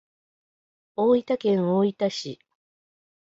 大分県大分市